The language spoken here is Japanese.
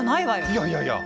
いやいやいや。